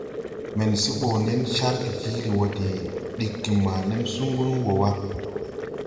Men se bɔ nen cargè jiili wɔ de diggi ma nen sungu wɔ wa.